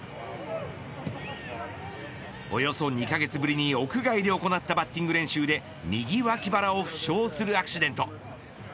およそ２カ月ぶりに屋外で行ったバッティング練習で右脇腹を負傷するアクシデント。